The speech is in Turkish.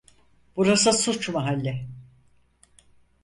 Burası suç mahalli.